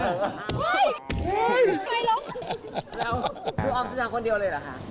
คือออมสุชาคนเดียวเลยหรือคะ